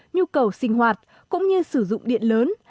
nhu cầu sinh hoạt cũng như sử dụng điện lớn